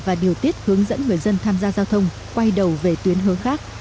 và điều tiết hướng dẫn người dân tham gia giao thông quay đầu về tuyến hướng khác